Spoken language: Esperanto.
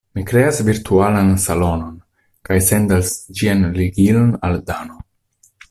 Mi kreas virtualan salonon, kaj sendas ĝian ligilon al Dano.